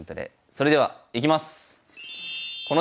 それではいきます。